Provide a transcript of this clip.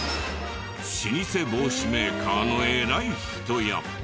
老舗帽子メーカーの偉い人や。